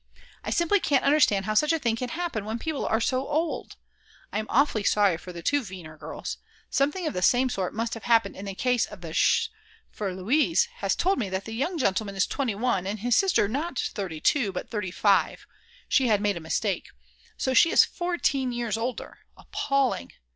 I simply can't understand how such a thing can happen when people are so old. I'm awfully sorry for the two Weiner girls. Something of the same sort must have happened in the case of the Schs., for Luise has told me that the young gentleman is 21 and his sister not 32 but 35, she had made a mistake; so she is 14 years older, appalling.